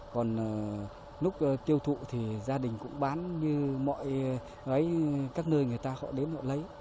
còn lúc tiêu thụ thì gia đình cũng bán như mọi các nơi người ta họ đến họ lấy